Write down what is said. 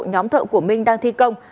nhóm thợ của minh đang thi công